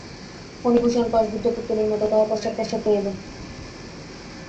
ফণিভূষণ পাশবদ্ধ পুত্তলীর মতো তাহার পশ্চাৎ পশ্চাৎ চলিল।